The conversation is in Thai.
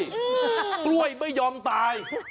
กล้วยไม่ยอมตาย